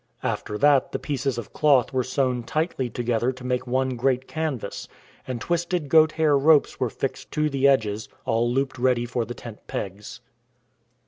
After that the pieces of cloth were sewn tightly to gether to make one great canvas ; and twisted goat hair ropes were fixed to the edges, all looped ready for the tent pegs.